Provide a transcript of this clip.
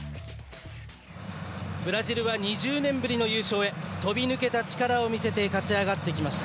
ブラジルは２０年ぶりの優勝へ飛び抜けた力を見せて勝ち上がってきました。